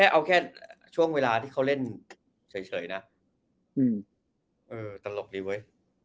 เอาแค่ช่วงเวลาที่เขาเล่นเฉยนะเออตลกดีเว้ย